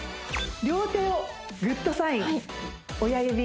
両手をグッドサイン親指